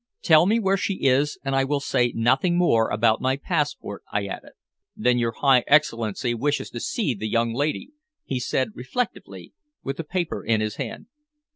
Tell me where she is, and I will say nothing more about my passport," I added. "Then your high Excellency wishes to see the young lady?" he said reflectively, with the paper in his hand.